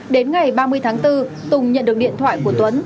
đến ngày ba mươi tháng bốn tùng nhận được điện thoại của tuấn